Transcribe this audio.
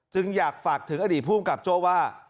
จึงอยากฝากถึงอดีตภูมิกับโจ้ว่า